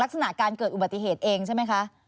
ลักษณะการเกิดอุบัติเหตุเองใช่ไหมคะ